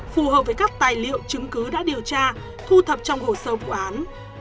phù hợp với các tài liệu chứng cứ đã điều tra thu thập trong hồ sơ vụ án